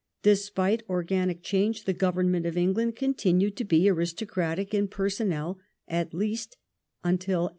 Despite organic change, the Governmenl;^ of England continued to be aristocratic in personnel at least until 1867.